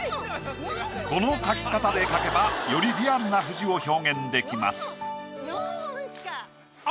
この描き方で描けばよりリアルな藤を表現出来ます。